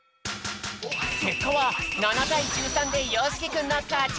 けっかは７たい１３でよしきくんのかち。